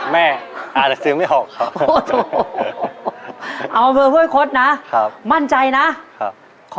แม่อาจจะเสียไม่หอกโอ้โหเอาเอาเว้ยคนะครับมั่นใจนะครับ